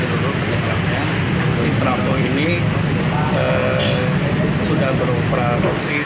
kita sudah melakukan investigasi kita punya tim namanya pti yang melakukan investigasi secara menurut penyebabnya